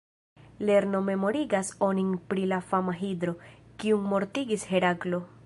Lerno memorigas onin pri la fama Hidro, kiun mortigis Heraklo.